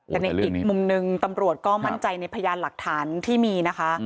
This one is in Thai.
แต่ในอีกมุมหนึ่งตำรวจก็มั่นใจในพยานหลักฐานที่มีนะคะ